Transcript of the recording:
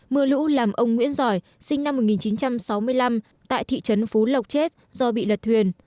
mưa lũ làm ông nguyễn giỏi sinh năm một nghìn chín trăm sáu mươi năm tại thị trấn phú lộc chết do bị lật thuyền